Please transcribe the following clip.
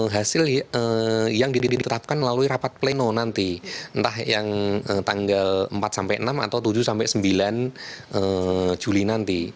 hasil yang ditetapkan melalui rapat pleno nanti entah yang tanggal empat sampai enam atau tujuh sampai sembilan juli nanti